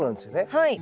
はい。